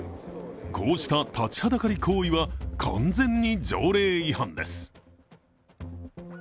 こうした立ちはだかり行為は完全に条例違反です。